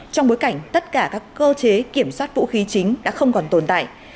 trong bối cảnh tất cả các cơ chế kiểm soát vũ khí chính đã không còn tồn tại